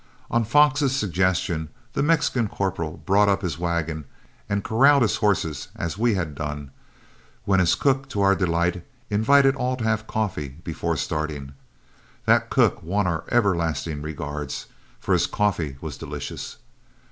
On Fox's suggestion the Mexican corporal brought up his wagon and corralled his horses as we had done, when his cook, to our delight, invited all to have coffee before starting. That cook won our everlasting regards, for his coffee was delicious.